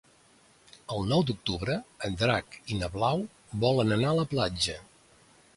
El nou d'octubre en Drac i na Blau volen anar a la platja.